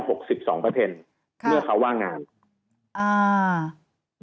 ทางประกันสังคมก็จะสามารถเข้าไปช่วยจ่ายเงินสมทบให้ได้๖๒